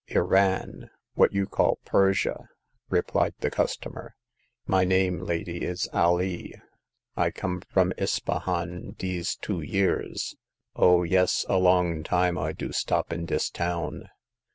Iran ; what you call Persia," replied the cus tomer. My name, lady, is Alee ; I come from Ispahan dese two year. Oh, yes ; a long time I do stop in dis town."